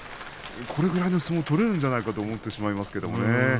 これくらいの相撲を取れるんじゃないかと思ってしまいますけどね。